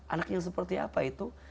anak yang seperti apa itu